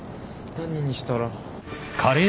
何にしたら。